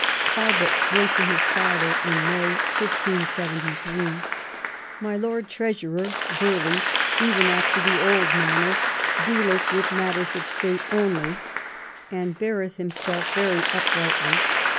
Talbot wrote to his father in May, 1573 :— THE EXCOMMUNICATION OF ELIZABETH. 153 "My Lord Treasurer (Burghley), even after the old manner dealeth with matters of State only, and beareth himself very uprightly.